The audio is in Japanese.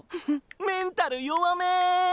メンタル弱め。